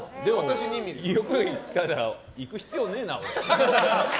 よく見たら行く必要ねえな。